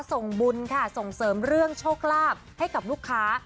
ส่งบุญค่ะส่งเสริมเรื่องโชคลาภให้กับลูกค้า